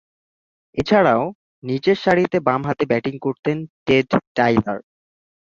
এছাড়াও, নিচেরসারিতে বামহাতে ব্যাটিং করতেন টেড টাইলার।